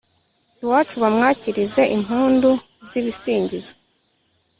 iwacu bamwakirize impundu z'ibisingizo